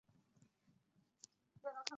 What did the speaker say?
长穗花为野牡丹科长穗花属下的一个种。